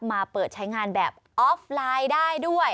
มาเปิดใช้งานแบบออฟไลน์ได้ด้วย